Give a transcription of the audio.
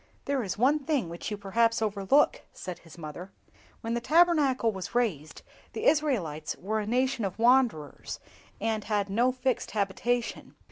"There is one thing which you perhaps overlook," said his mother; "when the Tabernacle was raised, the Israelites were a nation of wanderers, and had no fixed habitation.